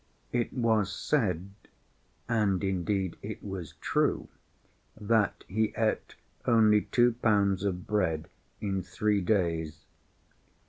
It was said (and indeed it was true) that he ate only two pounds of bread in three days.